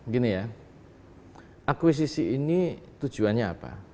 gini ya akuisisi ini tujuannya apa